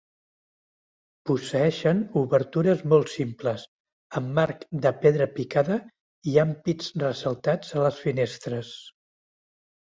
Posseeixen obertures molt simples amb marc de pedra picada i ampits ressaltats a les finestres.